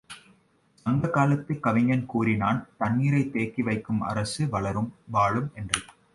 சங்க காலத்துக் கவிஞன் கூறினான் தண்ணீரைத் தேக்கி வைக்கும் அரசு வளரும், வாழும் என்று!